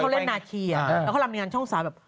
แล้วเขาลำอย่างงั้นช่องสายแบบ